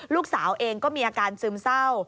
ลูกสาวเองก็มีอาการซึมเศร้า